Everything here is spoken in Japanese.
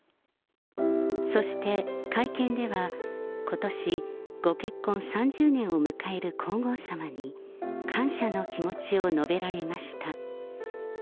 そして会見では、ことしご結婚３０年を迎える皇后さまに感謝の気持ちを述べられました。